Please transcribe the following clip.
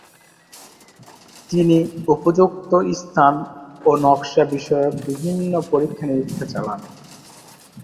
তিনি উপযুক্ত স্থান ও নকশা বিষয়ক বিভিন্ন পরীক্ষা-নিরীক্ষা চালান।